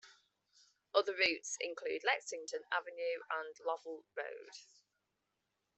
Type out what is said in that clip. Other routes include Lexington Avenue and Lovell Road.